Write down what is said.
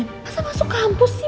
masa masuk kampus sih